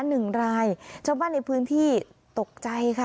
หนึ่งรายชอบบ้านในพื้นธีตกใจ